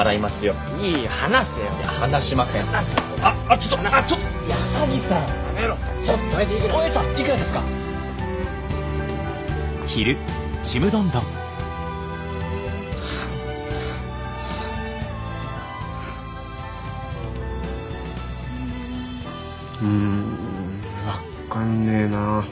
うん分っかんねえな。